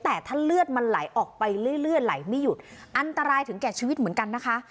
แต่ถ้าเลือดมันไหลออกไปเรื่อยเลือดไหลไม่หยุดอันตรายถึงแก่ชีวิตเหมือนกันนะคะ